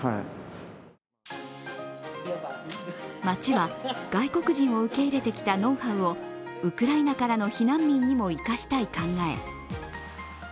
町は、外国人を受け入れてきたノウハウをウクライナからの避難民にも生かしたい考え。